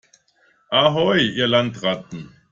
Ahoi, ihr Landratten!